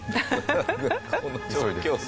この状況で。